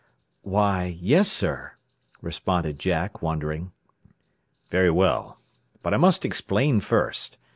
"Why yes, sir," responded Jack, wondering. "Very well. But I must explain first.